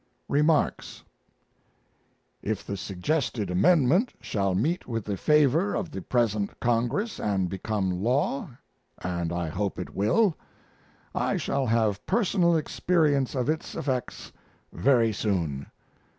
REMARKS If the suggested amendment shall meet with the favor of the present Congress and become law and I hope it will I shall have personal experience of its effects very soon.